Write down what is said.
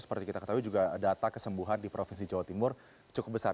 seperti kita ketahui juga data kesembuhan di provinsi jawa timur cukup besar